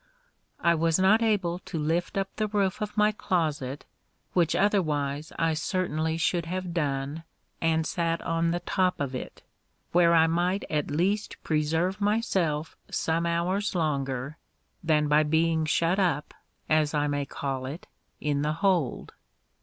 I was not able to lift up the roof of my closet, which otherwise I certainly should have done, and sat on the top of it: where I might at least preserve myself some hours longer, than by being shut up (as I may call it) in the hold.